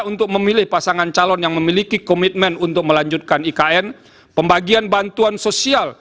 untuk memilih pasangan calon yang memiliki komitmen untuk melanjutkan ikn pembagian bantuan sosial